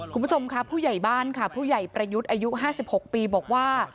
คุณผู้ชมค่ะผู้ใหญ่บ้านค่ะผู้ใหญ่ประยุทธ์อายุ๕๖ปีบอกว่า